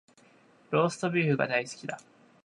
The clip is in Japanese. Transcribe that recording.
ローストビーフが大好きだ